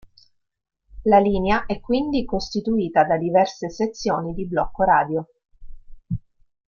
La linea è quindi costituita da diverse sezioni di blocco radio.